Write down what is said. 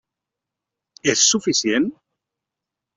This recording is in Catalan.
És suficient?